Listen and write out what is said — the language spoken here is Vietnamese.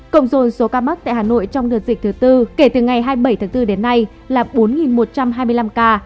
cộng dồn số ca mắc tại hà nội trong đợt dịch thứ tư kể từ ngày hai mươi bảy tháng bốn đến nay là bốn một trăm hai mươi năm ca